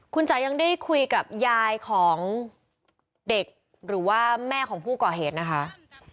คุณจ๋ายังได้คุยกับยายของเด็กหรือว่าแม่ของผู้ก่อเหตุนะคะ